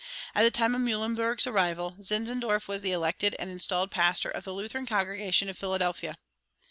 At the time of Mühlenberg's arrival Zinzendorf was the elected and installed pastor of the Lutheran congregation in Philadelphia.